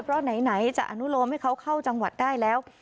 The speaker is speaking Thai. เพราะไหนจะอนุโลมให้เขาเข้าจังหวัดได้แล้ว